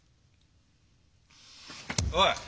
おい！